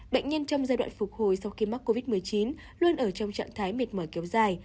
bệnh nhân trong giai đoạn phục hồi sau khi mắc covid một mươi chín luôn ở trong trạng thái mệt mỏi kéo dài